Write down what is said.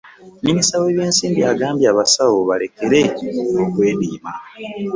Minisita webyensimbi agambye abasawo balekere okwediima.